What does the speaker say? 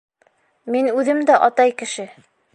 Мин үҙем дә атай кеше.